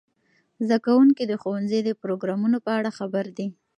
زده کوونکي د ښوونځي د پروګرامونو په اړه خبر دي.